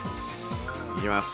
行きます。